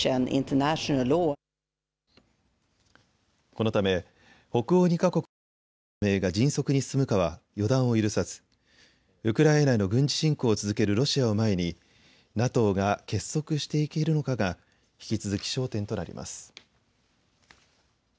このため北欧２か国のＮＡＴＯ加盟が迅速に進むかは予断を許さずウクライナへの軍事侵攻を続けるロシアを前にＮＡＴＯが結束していけるのかが引き続き焦点となります。